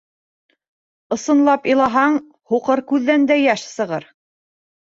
Ысынлап илаһаң, һуҡыр күҙҙән дә йәш сығыр.